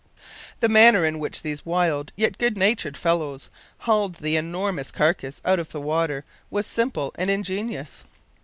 The manner in which these wild yet good natured fellows hauled the enormous carcass out of the water was simple and ingenious.